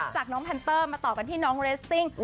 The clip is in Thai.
จากน้องแพนเตอร์มาต่อกันที่น้องเรสซิ่ง